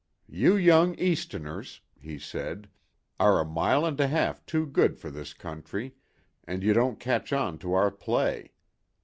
"You young Easterners," he said, "are a mile and a half too good for this country, and you don't catch on to our play.